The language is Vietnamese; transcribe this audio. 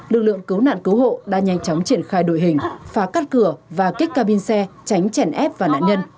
lực lượng cứu nạn cứu hộ đã nhanh chóng triển khai đội hình phá cắt cửa và kích ca bin xe tránh chèn ép vào nạn nhân